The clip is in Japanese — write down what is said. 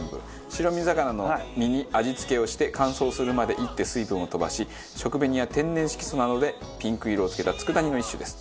白身魚の身に味付けをして乾燥するまで炒って水分を飛ばし食紅や天然色素などでピンク色を付けた佃煮の一種です。